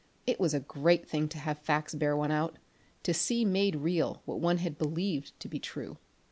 It was a great thing to have facts bear one out, to see made real what one had believed to be true.